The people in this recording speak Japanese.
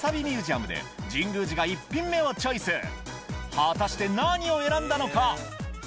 果たして何を選んだのか？